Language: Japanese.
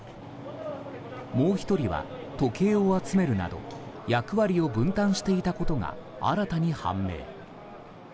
もう１人は時計を集めるなど役割を分担していたことが新たに判明。